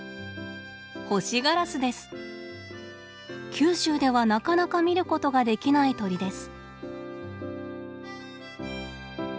九州ではなかなか見ることができない鳥です。